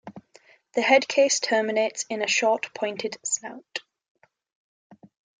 The head-case terminates in a short pointed snout.